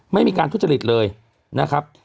ไม่มีการทุจริตเลยนะครับ